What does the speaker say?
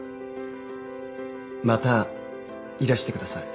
またいらしてください。